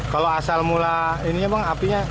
kalau asal mula ininya bang apinya